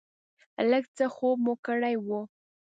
لږ څه خوب مو کړی و.